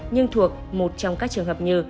nhưng thuộc một trong các trường hợp như